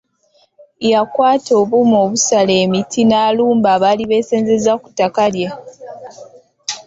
Yakwata obuuma obusala emiti n’alumba abaali besenzeza ku ttaka lye.